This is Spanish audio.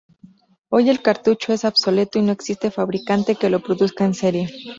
Hoy el cartucho es obsoleto, y no existe fabricante que lo produzca en serie.